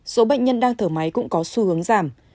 số bệnh nhân đang thở máy cũng có xu hướng giảm